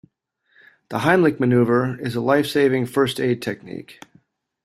The Heimlich manoeuvre is a lifesaving first aid technique.